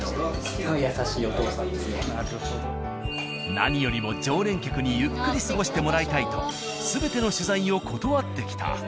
何よりも常連客にゆっくり過ごしてもらいたいと全ての取材を断ってきた。